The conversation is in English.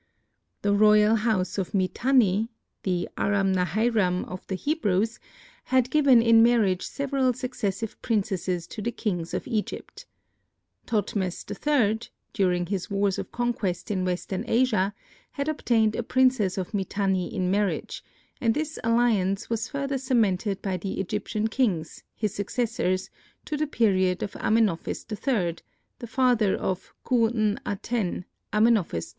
The royal house of Mitanni—the Aram Nahairam of the Hebrews—had given in marriage several successive princesses to the kings of Egypt. Tothmes III, during his wars of conquest in western Asia, had obtained a princess of Mitanni in marriage, and this alliance was further cemented by the Egyptian kings, his successors, to the period of Amenophis III, the father of Khu n Aten, Amenophis IV.